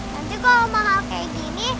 nanti kalau mahal kayak gini